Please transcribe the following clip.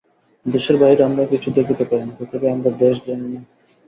দেশের বাহিরে আমরা কিছু দেখিতে পারি না, তথাপি আমরা দেশ জানি না।